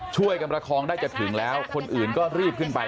ช่วยกันประคองได้จะถึงแล้วคนอื่นก็รีบขึ้นไป